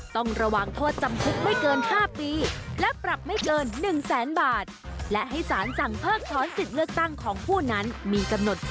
ต้องระวังโทษจำคุกไม่เกิน๕ปี